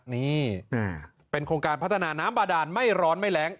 นี่เป็นโครงการพัฒนาน้ำบาดานไม่ร้อนไม่แรง